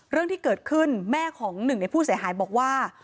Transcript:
เรื่องที่เกิดขึ้นแม่ของหนึ่งในผู้เสียหายบอกว่า